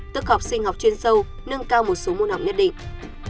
tức học sinh học chuyên sâu nâng cao một số môn học nhất định